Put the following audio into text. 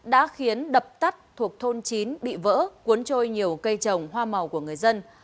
đã khiến đập tắt thuộc thôn chín bị vỡ cuốn trôi nhiều cây trồng hoa màu của người dân